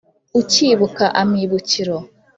Ukibuka "Amibukiro"